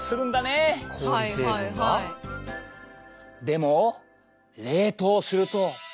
でも冷凍すると。